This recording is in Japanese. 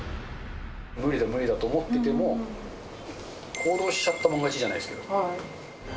無理だ無理だと思ってても、行動しちゃったもん勝ちじゃないですか。